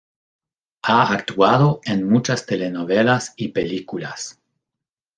Ha actuado en muchas telenovelas y películas.